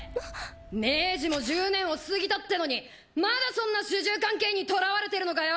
明治も１０年を過ぎたってのにまだそんな主従関係にとらわれてるのかよ！